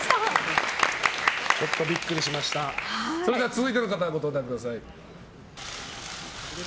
続いての方、ご登壇ください。